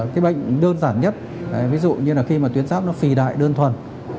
cái bệnh đơn giản nhất ví dụ như khi tuyến giáp phì đại đơn thuần